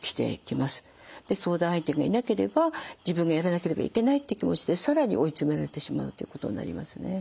相談相手がいなければ自分がやらなければいけないって気持ちで更に追い詰められてしまうということになりますね。